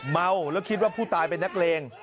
เมาแล้วคิดว่าผู้ตายเป็นนักเลง